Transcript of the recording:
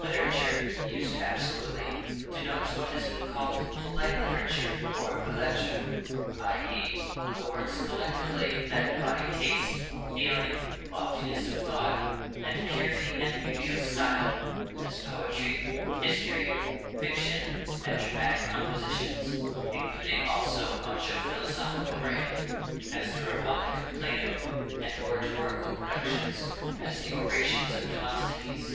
Literature, used absolutely, denotes what has been called "polite literature" or belles lettres, i. e., the works collectively that embody taste, feeling, loftiness of thought, and purity and beauty of style, as poetry, history, fiction, and dramatic compositions, including also much of philosophical writing, as the "Republic" of Plato, and oratorical productions, as the orations of Demosthenes.